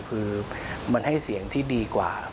คือมันให้เสียงที่ดีกว่า